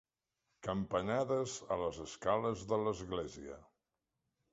Campanades a les escales de l'Església.